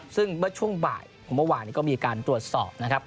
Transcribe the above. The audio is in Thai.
ซึ่งเมื่อช่วงบ่ายของเมื่อวานก็มีการตรวจสอบ